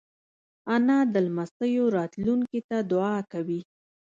انا د لمسیو راتلونکې ته دعا کوي